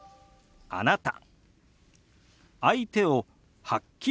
「あなた」。